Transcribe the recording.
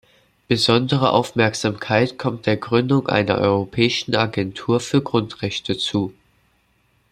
Besondere Aufmerksamkeit kommt der Gründung einer Europäischen Agentur für Grundrechte zu.